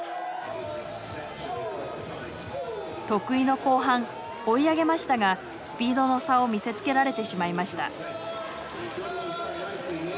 得意の後半追い上げましたがスピードの差を見せつけられてしまいました。